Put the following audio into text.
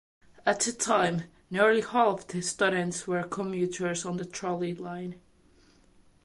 At the time, nearly half the students were commuters on the trolley line.